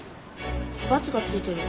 バツがついてる。